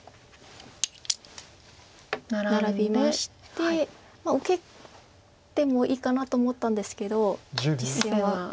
ナラびまして受けてもいいかなと思ったんですけど実戦はケイマと。